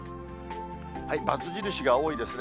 ×印が多いですね。